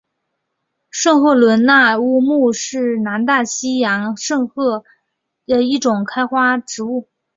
圣赫伦那乌木是南大西洋圣赫勒拿岛特有的一种开花植物。